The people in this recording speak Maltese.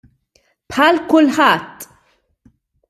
Bħal kulħadd!